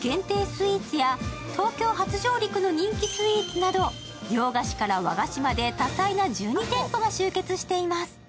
スイーツや東京初上陸の人気スイーツなど洋菓子から和菓子まで多彩な１２店舗が集結しています。